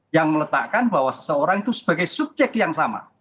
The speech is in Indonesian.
yang meletakkan bahwa seseorang itu sebagai subjek yang sama